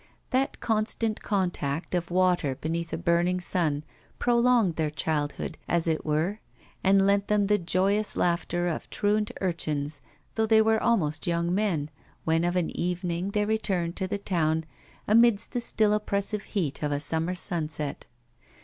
That constant contact of water beneath a burning sun prolonged their childhood, as it were, and lent them the joyous laughter of truant urchins, though they were almost young men, when of an evening they returned to the town amidst the still oppressive heat of a summer sunset.